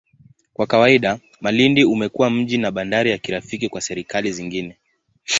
Kwa kawaida, Malindi umekuwa mji na bandari ya kirafiki kwa serikali zingine.